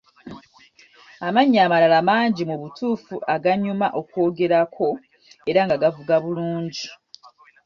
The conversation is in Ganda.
Amanya amalala mangi mu butuufu aganyuma okwogerako era nga gavuga bulungi.